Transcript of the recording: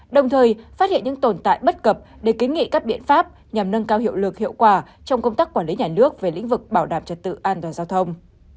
đồng thời phát hiện những tồn tại bất cập để kiến nghị các biện pháp nhằm nâng cao hiệu lực hiệu quả trong công tác quản lý nhà nước về lĩnh vực bảo đảm trật tự an toàn giao thông